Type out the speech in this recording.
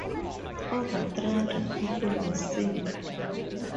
Over three hundred people were saved.